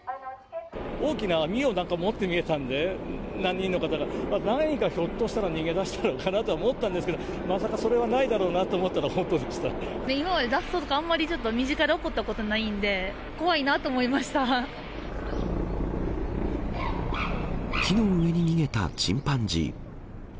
大きな網を持って見えたんで、何人の方が、何かひょっとしたら、逃げ出したのかなと思ったんですけど、まさかそれはないだろうな今まで脱走とか、あんまりちょっと身近で起こったことないんで、怖いなと思いまし木の上に逃げたチンパンジー。